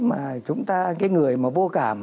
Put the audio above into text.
mà chúng ta cái người mà vô cảm